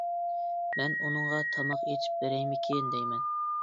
مەن ئۇنىڭغا تاماق ئېتىپ بېرەيمىكىن دەيمەن.